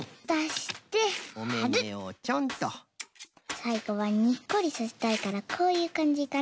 さいごはにっこりさせたいからこういうかんじかな。